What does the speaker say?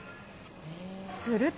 すると。